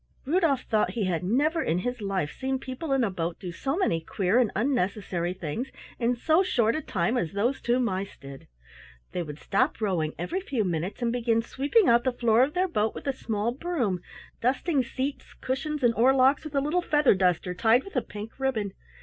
Rudolf thought he had never in his life seen people in a boat do so many queer and unnecessary things in so short a time as those two mice did. They would stop rowing every few minutes and begin sweeping out the floor of their boat with a small broom, dusting seats, cushions, and oar locks with a little feather duster tied with a pink ribbon.